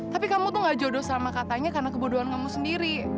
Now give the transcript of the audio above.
tapi kamu tuh gak jodoh sama katanya karena kebodohan kamu sendiri